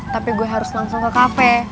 tapi gue harus langsung ke kafe